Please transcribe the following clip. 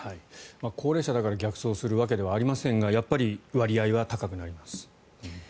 高齢者だから逆走するわけではありませんがやっぱり割合は高くなります。